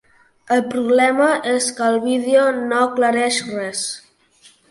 El problema és que el vídeo no aclareix res.